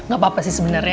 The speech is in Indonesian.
gapapa sih sebenernya